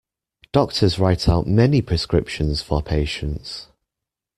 Doctor's write out many prescriptions for patients.